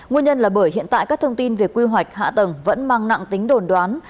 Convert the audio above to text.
nguyên nhân là bởi hiện tại các thông tin về quy hoạch hạ tầng vẫn mang nặng tính đồn đoán